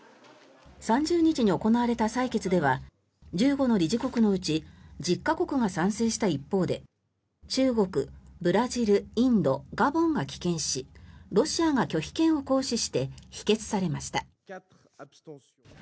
３０日に行われた採決では１５の理事国のうち１０か国が賛成した一方で中国、ブラジル、インドガボンが棄権しロシアが拒否権を行使して否決されました。